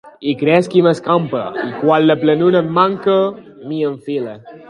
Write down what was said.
I cresc i m'escampe; i quan la planura em manca, m'hi enfile.